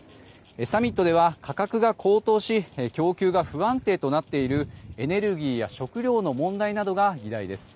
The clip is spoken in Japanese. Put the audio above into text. サミットでは価格が高騰し供給が不安定となっているエネルギーや食料の問題などが議題です。